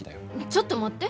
ちょっと待って。